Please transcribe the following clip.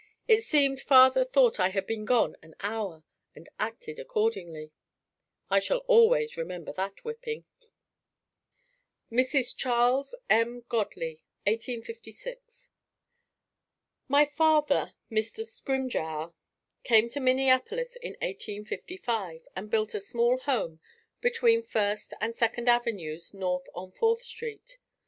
It seemed father thought I had been gone an hour and acted accordingly. I shall always remember that whipping. Mrs. Charles M. Godley 1856. My father, Mr. Scrimgeour, came to Minneapolis in 1855 and built a small home between First and Second Avenues North on Fourth Street.